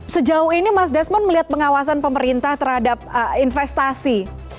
sejauh ini mas desmond melihat pengawasan pemerintah terhadap investasi